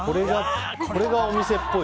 これがお店っぽい。